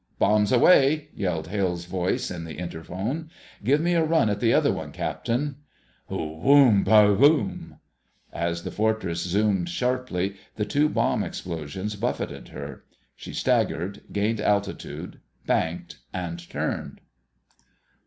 "Bombs away!" yelled Hale's voice in the interphone. "Give me a run at the other one, Captain." WHOOM! BR ROOM! As the Fortress zoomed sharply, the two bomb explosions buffeted her. She staggered, gained altitude, banked, and turned.